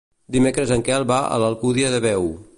Dimecres en Quel va a l'Alcúdia de Veo.